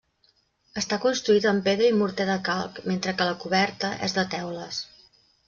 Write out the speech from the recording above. Està construït amb pedra i morter de calc, mentre que la coberta és de teules.